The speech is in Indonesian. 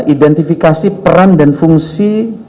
identifikasi peran dan fungsi